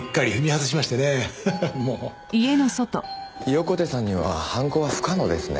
横手さんには犯行は不可能ですね。